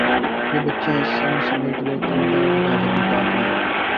جو بچے ہیں سنگ سمیٹ لو تن داغ داغ لٹا دیا